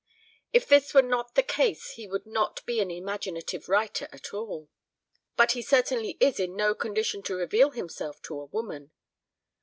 If this were not the case he would not be an imaginative writer at all. But he certainly is in no condition to reveal himself to a woman.